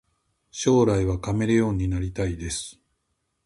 将来はカメレオンになりたいです